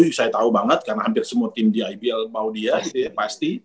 saya tahu banget karena hampir semua tim di ibl mau dia pasti